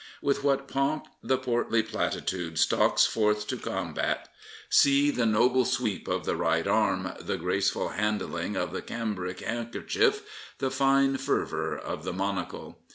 With what pomp the portly platitude stalks forth to 212 Henry Chaplin combat I See the noble sweep of the right arm, the graceful handling of the cambric handkerchief, the fine fervour of the monocle.